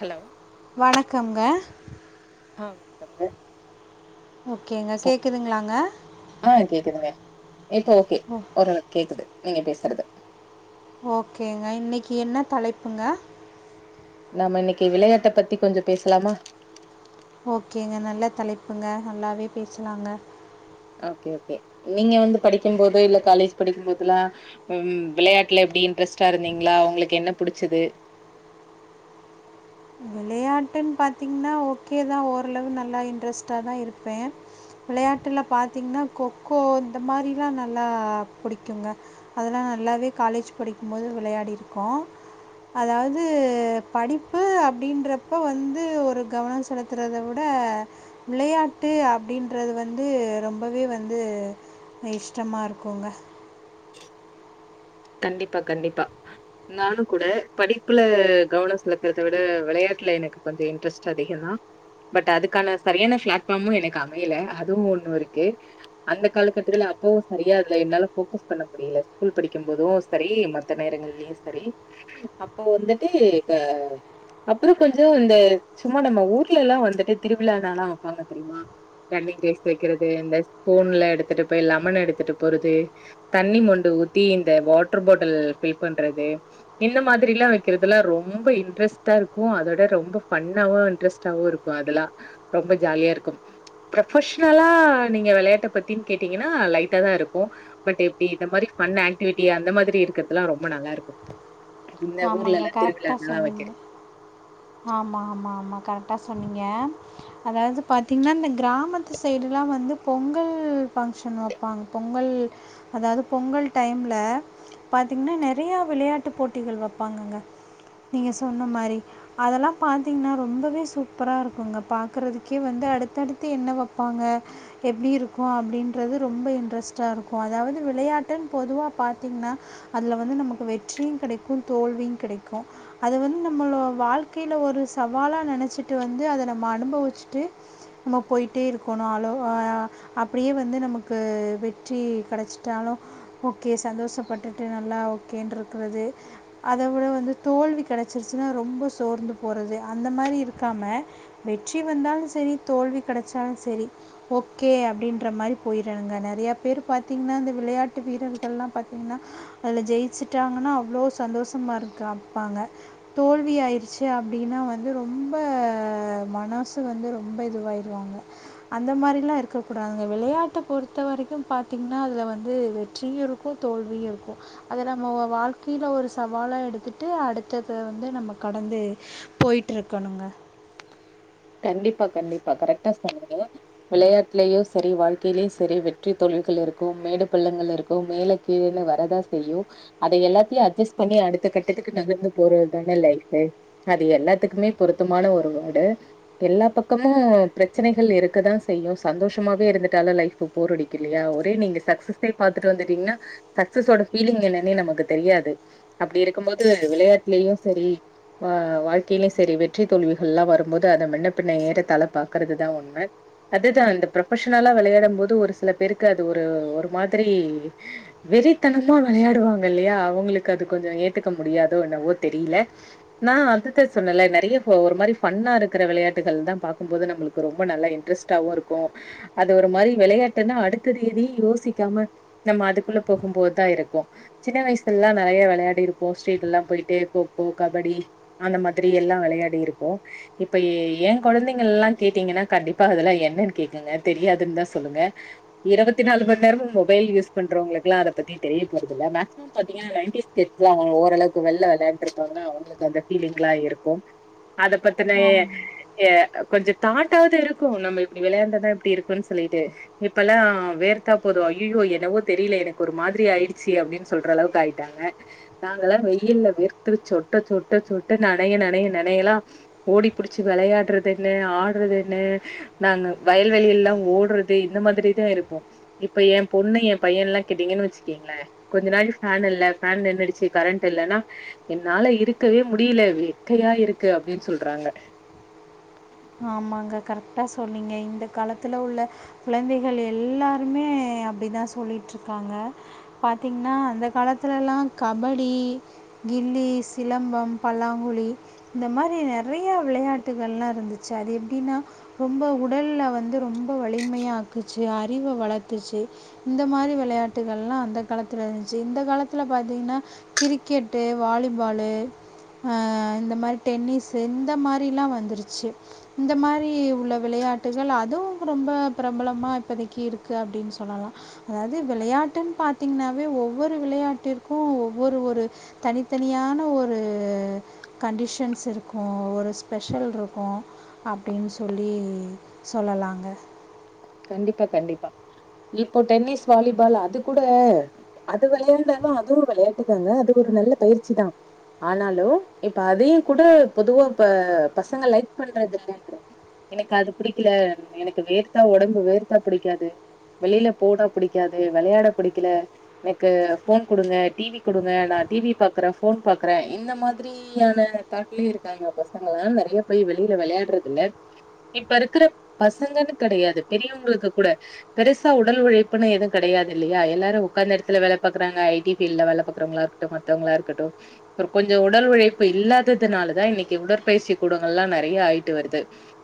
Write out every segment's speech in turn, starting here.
hello வணக்கங்க ஆ வணக்கங்க ஓகேங்க கேக்குதுங்களாங்க இப்போ ஓகே ஒரளவு நாள் கேக்குது நீங்க பேசுறது ஓகேங்க இன்னைக்கு என்ன தலைப்புங்க நாம இன்னைக்கு விளையாட்டை பத்தி கொஞ்சம் பேசலாமா ஓகேங்க நல்ல தலைப்புங்க நல்லாவே பேசலாங்க ஓகே ஓகே நீங்க வந்து படிக்கும்போது இல்ல காலேஜ் படிக்கும்போதல்லாம் விளையாட்டுல எப்படி இன்ட்ரெஸ்ட்டா இருந்தீங்களா உங்களுக்கு என்ன புடிச்சது விளையாட்டுன்னு பார்த்திங்கன்னா ஓகே தான் ஓரளவு நல்லா இன்ட்ரெஸ்ட்டா தான் இருப்பேன் விளையாட்டுல பார்த்திங்கன்னா கொக்கோ இந்த மாதிரிலாம் நல்லா புடிக்குங்க அதெலாம் நல்லாவே காலேஜ் படிக்கும்போது விளையாடிருக்கோம் அதாவது படிப்பு அப்படின்ற அப்போ வந்து ஒரு கவனம் செலுத்துறத விட விளையாட்டு அப்படின்றது வந்து ரொம்பவே வந்து இஷ்டமா இருக்குங்க கண்டிப்பா கண்டிப்பா நானும் கூட படிப்புல கவனம் செலுத்துறத விட விளையாட்டுல எனக்கு கொஞ்சம் இன்ட்ரெஸ்ட் அதிகம் தான் பட் அதுக்கான சரியான பிளாட்பார்மும் எனக்கு அமையல அதுவும் ஒன்னு இருக்கு அந்த காலகட்டத்துல அப்பவும் சரியா அதுல என்னால போக்கஸ் பண்ண முடியல ஸ்கூல் படி க்கும் போதும் சரி மத்த நேரங்கள்யும் சரி அப்போ வந்துட்டு அப்போ கொஞ்சம் இந்த சும்மா நம்ம ஊர்ல எல்லாம் வந்துட்டு திருவிழானாலாம் வைப்பாங்க தெரியுமா ரன்னிங்ரேஸ் வைக்கிறது இந்த ஸ்பூன் எடுத்துட்டு போய் லெமன் எடுத்துட்டு போறது தண்ணி மொண்டு ஊத் தி இந்த வாட்டர் பாட்டில் பீல் பண்றது இந்த மாதிரிலாம் வைக்கிறதுஎல்லாம் ரொம்ப இன்ட்ரெஸ்ட்டா இருக்கும் அதோட ரொம்ப பன்னாவும் இன்ட்ரெஸ்ட்டாவும் இருக்கும் அதெல்லாம் ரொம்ப ஜாலியா இருக்கும் ப்ரொபஷனலா நீங்க விளையாட்ட பத்தின்னு கேட்டிங்கன்னா லைட்டா தான் இருக்கும் பட்இப்படி இந்த மாதிரி பண் ஆக்டிவிட்டி அந்த மாதிரி இருக்கிறதுலாம் ரொம்ப நல்லா இருக்கும் ஆமாங்க கரெக்டா சொன்னீங்க ஆமா ஆமா ஆமா கரெகட் என்ன சொன்னிங்க அதாது பாத்தீங்கன்னா இந்த கிராமத்து சைடுலாம் வந்து பொங்கல் பங்க்ஷன் வைப்பாங்க பொங்கல் அதாது பொங்கல் டைம்ல நெறைய விளையாட்டு போ பெண்கள் வைப்பாங்கங்க நீங்கள் சொன்ன மாரி அதெல்லாம் பாத்தீங்கன்னா ரொம்பவே சூப்பரா இருக்குங்க பாக்குறதுக்கே வந்து அடுத்தடுத்து என்ன வைப்பாங்க எப்டி இருக்கும் அப்டின்றது ரொம்ப இன்ட்ரெஸ்ட்டாக இருக்கும் அதாது விளையாட்டு இன்னு பொதுவாக பாத்தீங்கன்னா அதுல வந்து நமக்கு வெற்றியும் கிடைக்கும் வெற்றிக்கும் தோல்வியும் கிடைக்கும் அது வந்து நம்மள வாழ்க்கையில ஒரு சவாலா நினைச்சிட்டு வந்து அதை நம்ம அனுபவிச்சுட்டு நம்ம போயிட்டே இருக்கணும் அன்பவிச்சு அப்டியே வந்து நமக்கு வெற்றி கிடைச்சிட்டாலும் ஓகே சந்தோஷப்பட்டுட்டு நல்லா ஓகேன்னு இருக்கிறது அத விட வந்து தோல்வி கிடைச்சிருச்சுன்னா ரொம்ப சேர்ந்து போறது அந்த மாரி இருக்காம வெற்றி வந்தாலும் சரி தோல்வி கிடைச்சாலும் சரி ஓகே அப்டின்ற மாரி போயிருங்க நிறைய பேரு பாத்தீங்கன்னா இந்த விளையாட்டு வீரர்கள் எல்லாம் பாத்தீங்கன்னா அதுல ஜெயிச்சுட்டாங்கன்னா அவ்ளோ சந்தோஷமா இருக்கப்பாங்க தோல்வி ஆயிடுச்சு அப்படின்னா வந்து ரொம்ப மனசு வந்து ரொம்ப இதுவாயிருவாங்க அந்த மாரிலா இருக்க கூடாதுங்க விளையாட்டை பொறுத்த வரைக்கும் பாத்தீங்கன்னா அதுல வந்து வெற்றியும் இருக்கும் தோல்வியும் இருக்கும் அது நம்ம வாழ்க்கையில ஒரு சவாலா எடுத்துட்டு அடுத்தது வந்து நம்ம கடந்து போயட்டு இருக்கணுங்க கண்டிப்பா கண்டிப்பா கரெக்டா சொல்லுங்க விளையாட்டுலயும் சரி வாழ்க்கையிலயும் சரி வெற்றி தோல்விகள் இருக்கும் மேடு பள்ளங்கள் இருக்கும் மேல கீழஇன்னு வரதா செய்யும் அதை எல்லாத்தையும் அட்ஜஸ்ட் பண்ணி அடுத்த கட்டத்துக்கு நகர்ந்து போறது தான லைஃப் அது எல்லாத்துக்குமே பொருத்தமான ஒரு வார்டு எல்லா பக்கமும் பிரச்சனைகள் இருக்கதான் செய்யும் சந்தோஷமாவே இருந்துட்டால லைஃப் போர் இல்லையா ஒரே நீங்க சக்சஸ் பாத்துட்டு வந்துட்டீங்கன்னா சக்சஸோட ஃபீலிங் என்னன்னே நமக்கு தெரியாது அப்டி இருக்கும் போத விளையாட்டுலயும் செரி வாழ்க்கையிலயும் செரி வெற்றி தோல்விகள் எல்லா வரும்போது அதை மெல்ல ஏறதள பாக்கிறது தன் உண்மா ஒண்ண அதுதா ப்ரொபஷனலா விளையாடும் போது ஒரு சில பேருக்கு அது ஒரு ஒரு மாரி வெறித்தனம வெளையாடுவாங்க இல்லயா அவங்களுக்கு அது கொஞ்சம் ஏத்துக்க முடியாதோ என்னவோ தெரியல நா அது தா சொன்ன நிறைய ஒரு மாரி ஃபன்னா இருக்கிற விளையாட்டு பாக்கும்போது நம்மளுக்கு ரெம்பா நல்ல இன்ட்ரெஸ்ட்டவும் இருக்கும் அது ஒரு மாரி விளையாட்டுன்னா அடுத்த ரிதி யோசிக்காம நம்ம அதுக்குள்ள போகும்போது தான் இருக்கும் சின்ன வயசுலல்லாம் நிறைய விளையாடி இருப்போம் ஸீட்லடு எல்லா போயிட்டு கொக்கோ கபடி அந்த மாரி எல்லா விளையாடி இருப்போம் இப்ப ஏன் கொழந்தைங்கள் எல்லாம் கேட்டிங்கன்னா கண்டிப்பா அதெல்லா என்னன்னு கேக்குங்க தெரியாதுன்னு தா சொல்லுங்க இருபத்தி நாலு மணி நேரமும் மொபைல் யூஸ் பண்றவங்களுக்கு எல்லாம் அதை பத்தி தெரிய போறதில்ல மேக்சிமம் பாத்தீங்காங்க நயன்டிஸ் கிட்ஸ் ஓரளவுக்கு வெயில விளையாட்டு இருப்பாங்க அவங்களுக்கு அந்த பீலிங் எல்லா இருக்கும் அதை பத்தின ஆமாம் ஏ கொஞ்சம் தாட்டாவது இருக்கும் நம்ம இப்டி விளையாண்ட இப்டி இருக்கோம் சொல்லிட்டு இப்ப எல்லாவேர்த்தா போதும் ஐயோ என்னவோ தெரில எனக்கு ஒரு மாரி ஆயிடுச்சு அப்டின்னு சொல்ற அளவுக்கு ஆயிட்டாங்க நாங்க எல்லா வெயில்ல வேர்த்து சொட்ட சொட்ட சொட்டு நனைய நனைய நினையெல்லா ஓடி பிடிச்சு வெளையாட து என்ன ஆடுறது என்ன நாங்க வயல்வெளி எல்லாம் ஓடுறது இந்த மாரி தா இருப்போம் இப்ப என் பொண்ணு என் பையன் எல்லா கேட்டிங்கன்னு வச்சுக்கீங்களேன் கொஞ்ச நாள் பேன் இல்ல நின்னுடுச்சு கரண்ட் இல்லன்னா என்னால இருக்கவே முடியல வெக்கையா இருக்கு அப்டின்னு சொல்றாங்க ஆமாங்க கரெக்டா சொன்னீங்க இந்த காலத்துல உள்ள குழந்தைகள் எல்லாருமே அப்டி தா சொல்லிட்டு இருக்காங்க பாத்தீங்கன்னா அந்த காலத்துல எல்லாம் கபடி கில்லி சிலம்பம் பல்லாங்குழி இந்த மாரி நிறைய விளையாட்டுகள் எல்லா இருந்து சரி எப்டின்னா ரொம்ப உடலில் வந்து ரொம்ப வலிமையாக ஆக்குச்சு அறிவு வளர்த்துச்சு இந்த மாரி விளையாட்டுகள் எல்லா அந்த காலத்தில் இருந்துச்சு இந்த காலத்தில் பாத்திங்கன்னா கிரிக்கெட்டு வாலிபாலு இந்த மாரி டென்னிஸ் இந்த மாரிலா வந்துருச்சி இந்த மாரி உள்ள விளையாட்டுகள் அதுவும் ரொம்ப பிரபலமா இப்பதைக்கு இருக்கு அப்டின்னு சொல்லலாம் அதாவது விளையாட்டுன்னு பாத்தீங்கன்ன ஒவ்வொரு விளையாட்டிற்கும் ஒவ்வொரு ஒரு தனித்தனியான ஒரு கண்டிஷன்ஸ் இருக்கும் ஒரு ஸ்பெஷல் இருக்கும் அப்டின்னு சொல்லி சொல்லலாங்க கண்டிப்பா கண்டிப்பா இப்போ டென்னிஸ் வாலிபால் அது கூட அது விளையாண்ட அதுவும் விளையாட்டு தாங்க அது ஒரு நல்ல பயிற்சி தான் ஆனாலும் இப்ப அதையும் கூட பொதுவா இப்ப பசங்க லைக் பண்றது எனக்கு அது பிடிக்கல எனக்கு வேர்த்தா உடம்பு வேர்த்தா படிக்காது வெளியில போட பிடிக்காது விளையாட பிடிக்கல எனக்கு போன் குடுங்க டிவி குடுங்க நா டிவி பாக்குறேன் போன் பாக்குறேன் இந்த மாரியான தாட்ல இருக்காங்க பசங்க நிறைய போய் வெளில விளையாடுறது இல்ல இப்ப இருக்கிற பசங்கன்னு கடையாது பெரியவங்களுக்கு கூட பெருசா உடல் உழைப்புன்னு எதுவும் கிடையாது இல்லையா எல்லாரும் உக்காந்த இடத்துல வேலை பக்குறாங்க ஐ டி பீட்ல வேலைபக்குறாங்க மத்தவங்களா இருக்கட்டும் ஒரு கொஞ்சம் உடல் உழைப்பு இல்லாதனால் இன்னைக்கு உடற்பயிற்சி கூடங்கள் எல்லா நிறைய ஆயிட்டு வருது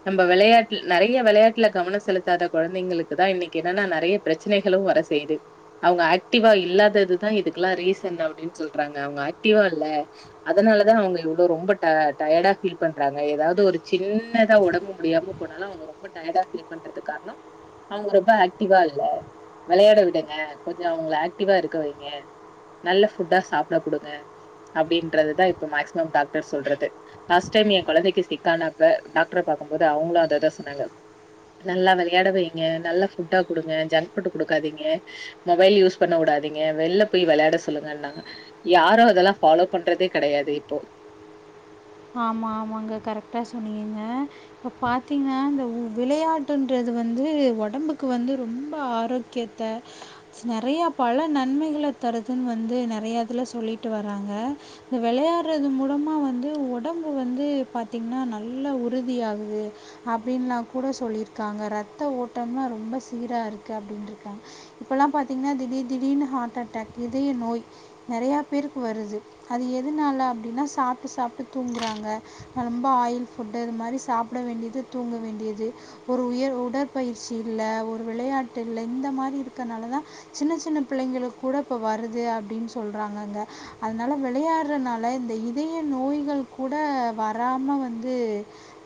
நம்ம விளையாட்டு நிறைய விளையாட்டுல கவனம் செலுத்தி குழந்தைங்களுக்கு தான் இன்னைக்கு என்னன்னா நிறைய பிரச்சனைகளும் வர செய்யுது அவங்க ஆக்டிவா இல்லாதது தா இதுக்கெல்லாம் ரீசன் அப்படின்னு சொல்றாங்க அவங்க ஆக்டிவா இல்ல அதனால தா அவங்க எவ்ளோ ரொம்ப டயர்டா பீல் பண்றாங்க ஏதாவது ஒரு சின்னதா உடம்பு முடியாம போனாலும் அவங்க ரொம்ப டயர்டா பீல் பண்ற விளையாட்டியாக அவங்க ரொம்ப ஆக்டிவா இல்ல விளையாட விடுங்க கொஞ்சம் அவங்க ஆக்டிவா இருக்க வைங்க நல்ல ஃபுட்டா சாப்பிட குடுங்க அப்டின்றது தா இப்ப மேக்சிமம் டாக்டர் சொல்றது லாஸ்ட் டைம் என் குழந்தைக்கு சிக்கான அப்ப டாக்டர் பாக்கும்போது அவங்களும் அத தா சொன்னாங்க நல்லா விளையாட வைங்க நல்லா ஃபுட்டா குடுங்க ஜங்க் புட் குடுக்காதீங்க மொபைல் யூஸ் பண்ண விடாதீங்க வெளில போய் விளையாட சொல்லுங்கன்னாங்க யாரும் அதெல்லாம் பாலோ பண்றதே கிடையாது இப்போ ஆமா ஆமாங்க கரெக்டா சொன்னீங்க இப்ப பாத்தீங்கன்னா இந்த விளையாட்டுயின்றது வந்து உடம்புக்கு வந்து ரொம்ப ஆரோக்கியத்தை நிறைய பல நன்மைகளை தருது இன்னும் வந்து நிறைய இதுல சொல்லிட்டு வராங்க இந்த விளையாடுறது மூலமா வந்து உடம்பு வந்து பாத்தீங்கன்னா நல்ல உறுதி ஆகுது அப்டி எல்லா கூட சொல்லிருக்காங்க இரத்த ஓட்டம் ஆனா ரொம்ப சீராக இருக்கு அப்டின்னு இருக்காங்க இப்பல்லாம் பாத்தீங்கன்னா திடீர் திடீர்னு ஹார்ட் அட்டாக் இதய நோய் நிறையா பேருக்கு வருது அது எதுனால அப்டின்னா சாப்பிட்டு சாப்பிட்டு தூங்குறாங்க ரொம்ப ஆயில் ஃபுட்டு இது மாரி சாப்பிட வேண்டியது தூங்க வேண்டியது ஒரு உயர் உடற்பயிற்சி இல்ல ஒரு விளையாட்டு இல்ல இந்த மாரி இருக்கனால தா சின்ன சின்ன பிள்ளைங்களுக்கு கூட இப்போ வருது அப்டின்னு சொல்றாங்கங்க அதனால விளையாடுறனால இந்த இதய நோய்கள் கூட வராம வந்து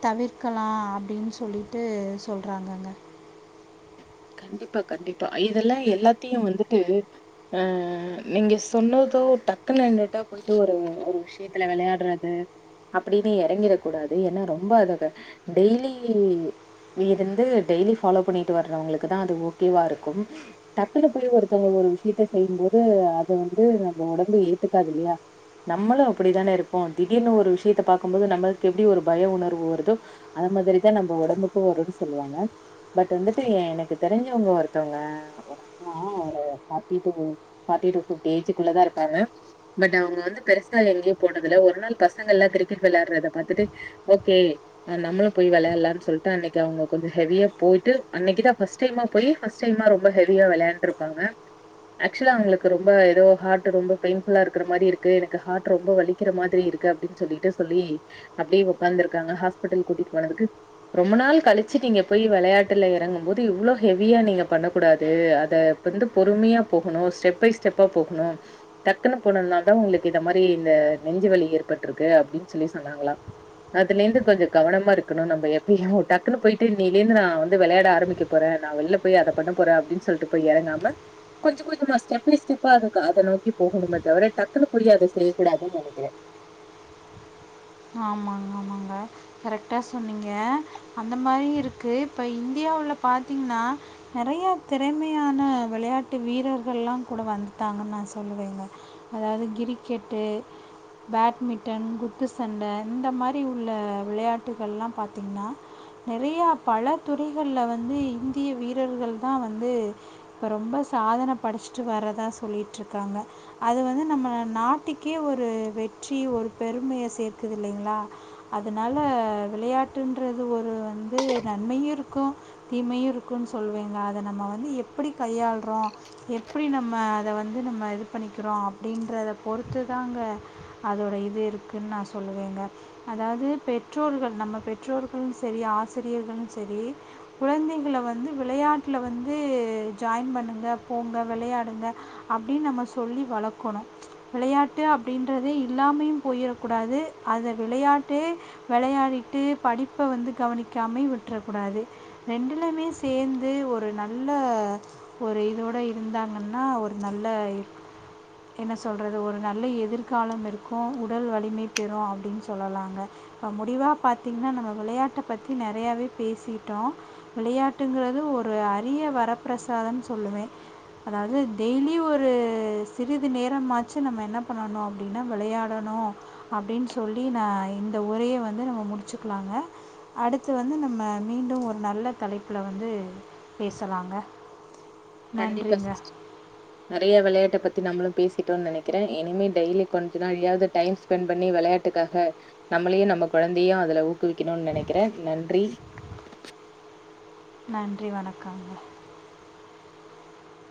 தவிர்க்கலாம் அப்டின்னு சொல்லிட்டு சொல்றாங்கங்க கண்டிப்பா கண்டிப்பா இத எல்லா எல்லாத்தையும் வந்துட்டு அ நீங்க சொன்னதோ டக்குனு நின்ட்டா போயிட்டு ஒரு ஒரு விஷயத்துல விளையாடுறது அப்டின்னு இறங்கிட கூடாது ஏன்னா ரொம்ப அத டெய்லி இருந்து டெய்லி ஃபாலோ பண்ணிட்டு வர்றவங்களுக்கு அதற்கு தா ஓகோ வா இருக்கும் டக்குனு போய் ஒருத்தவங்க ஒரு விஷயத்த செய்யும் போது அது வந்து நம்ம உடம்பு ஏத்துக்காது இல்லயா நம்மளும் அப்டித்தானே இருப்போம் திடீனு ஒரு விஷயத்த பாக்கும்பது நம்மளுக்கு எப்டி ஒரு பயம் வருதோ மாரி தா நம்ம உடம்புக்கும் வரும்னு சொல்லுவாங்க பட் வந்துட்டு எனக்கு தெரிஞ்சவங்க ஒருத்தவங்க ஒரு அண்ணா ஒருகிரிகெட்பார்ட பபி ஏஜகுள்ளதான் இருப்பாங்க பட் அவங்க வந்து பெருசா எங்கேயோ போனதுல்ல ஒரு நாள் பசங்கள் எல்லா கிரிக்கெட் விளையாடுறதை பாத்திட்டு ஓகே நம்மள போய் விளையாடலாம்னு சொல்லிட்டு அன்னைக்கு அவங்க கொ்சம் ஹெவியா போயிட்டு அன்னைக்கு தா ஃபஸ்ட் போ்ட் ரொம்ப ஃபஸ்டு டைம் ஹெவியா விளையாண்டுப்பாங்க ஆக்சுவல அவளுக்கு ரொம்ப ஏதோ ஹார்ட் ரொம்ப பெயின் ஃபுல்லா இருக்க மாரி இருக்கு எனக்கு ஹார்ட் ரொம்ப வலிக்கிற மாரி இருக்கு அப்டின்னு சொல்லிட்டு சொல்லி அப்டியே உக்காந்து இருக்காங்க ஹாஸ்பிட்டல் கூட்டிட்டு போனதுக்கு ரொம்ப நாள் கழிச்சிட்டு நீங்க போய் விளையாட்டுல இறங்கும் போது இவ்ளோ ஹெவியா நீங்க பண்ணக்கூடாது அதை வந்து பொறுமையா போகணும் ஸ்டெப் பை ஸ்டெப்பா போகணும் டக்குஇன்னு போனனால தா உங்களுக்கு இந்த மாரி இந்த நெஞ்சுவலி ஏற்பற்றிருக்கு அப்டின்னு சொல்லி சொன்னாங்களா அதுலந்து கொஞ்சம் கவனமா இருக்கணும் நம டக்குனு போயிட்டு தீடீர்னு நா வந்து விளையாட ஆரம்பக் போறேன் நா வெளில போய் அதை பண்ண போறேன் அப்டின்னு சொல்லிட்டு போய் இறங்காம கொஞ்சம் கொஞ்சம் நா ஸ்டெப்ஸ் டெப்பா அதுக்கு அதை நோக்கி போகணுமே தவிர டக்குன்னு புரிய அதை செய்யக்கூடாதுன்னு நினைக்கிறேன் ஆமாங்க ஆமாங்க கரெக்டா சொன்னீங்க அந்த மாரி இருக்கு இப்ப இந்தியாவுல பாத்தீங்கன்னா நிறைய திறமையான விளையாட்டு வீரர்கள் எல்லா கூட வந்துட்டாங்கன்னு நான் சொல்லுவேங்க அதாவது கிரிக்கெட்டு பேட்மிண்டன் குத்து சண்டை இந்த மாரி உள்ள விளையாட்டுகள் எல்லா பாத்தீங்கன்னா நிறையா பல துறைகளில் வந்து இந்திய வீரர்கள் தா வந்து இப்போ ரொம்ப சாதனை படைச்சிட்டு வரதா சொல்லிட்டுருக்காங்க அது வந்து நம்ம நாட்டுக்கே ஒரு வெற்றி ஒரு பெருமையை சேர்த்து இருக்குது இல்லங்களா அதனால விளையாட்டுன்றது ஒரு வந்து நன்மையும் இருக்கும் தீமையும் இருக்கும்ன்னும் சொல்லுவேங்க அதை நம்ம வந்து எப்டி கையாளுறோம் எப்டி நம்ம அதை வந்து நம்ம இது பண்ணிக்கிறோம் அப்டின்றத பொறுத்து தாங்க அதோட இது இருக்குன்னு நான் சொன் சொல்லுவேங்க அதாவது பெற்றோர்கள் நம்ம பெற்றோர்களும் சரி ஆசிரியர்களும் சரி குழந்தைகளை வந்து விளையாட்டில் வந்து ஜாயின் பண்ணுங்க போங்க விளையாடுங்க அப்டின்னு நம்ம சொல்லி வழக்கணும் விளையாட்டு அப்டியின்றதே இல்லாமையும் போயிடக்கூடாது அதை விளையாட்டு விளையாடிட்டு படிப்ப வந்து கவனிக்காம விட்டுறக்க கூடாது ரெண்டுலுமே சேர்ந்து ஒரு நல்ல ஒரு இதோட இருந்தாங்கன்னா ஒரு நல்ல என்ன சொல்றது ஒரு நல்ல எதிர்காலம் இருக்கும் உடல் வலிமை பெற அப்டின்னு சொல்லலாங்க இப்ப முடிவா பாத்தீங்கன்னா நம்ம விளையாட்ட பத்தி நிறையாவே பேசிட்டோம் விளையாட்டுங்கறது ஒரு அரிய வரப்பிரசாதம் சொல்லுவேன் அதாவது டெய்லி ஒரு சிறிது நேரமாச்சு நம்ம என்ன பண்ணணும் அப்டின்னா விளையாடணும் அப்டின்னு சொல்லி நான் இந்த உரையை வந்து நம்ம முடிச்சக்கலாங்க அடுத்து வந்து நம்ம மீண்டும் ஒரு நல்ல தலைப்பில வந்து பேசலாங்க கண்டிப்பா நன்றிங்க நெறைய விளையாட்ட பத்தி நம்மளும் பேசிட்டோ நினைக்கிறேன் இனிமே டெலி கொஞ்ச டைம் ஸ்பெண்ட் பண்ணி விளையாட்டுக்காக நம்மளையும் நம்ம கொழந்தையையும் அதுல ஊக்கிவிக்கணும்னு நினைக்கிறேன் நன்றி நன்றி வணக்கம்